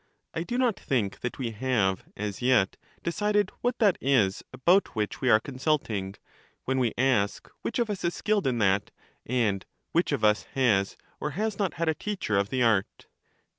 I do not think that we have as yet decided what that 96 LACHES is about which we are consulting, when we ask which of us is skilled in that, and which of us has or has not had a teacher of the art.